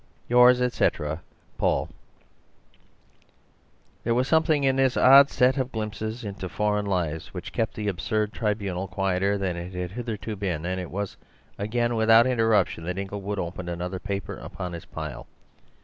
—Yours, etc., "Paul Nickolaiovitch." There was something in this odd set of glimpses into foreign lives which kept the absurd tribunal quieter than it had hitherto been, and it was again without interruption that Inglewood opened another paper upon his pile.